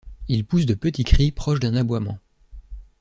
Il pousse de petits cris proche d'un aboiement.